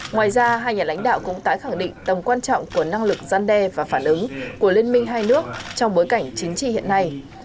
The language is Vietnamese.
ngoài ra hai nhà lãnh đạo cũng tái khẳng định tầm quan trọng của năng lực gian đe và phản ứng của liên minh hai nước trong bối cảnh chính trị hiện nay